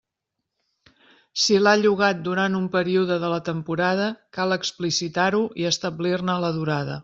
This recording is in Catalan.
Si l'ha llogat durant un període de la temporada, cal explicitar-ho i establir-ne la durada.